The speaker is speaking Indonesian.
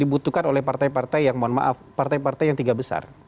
dibutuhkan oleh partai partai yang mohon maaf partai partai yang tiga besar